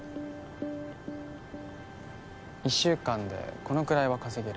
１週間でこのくらいは稼げる。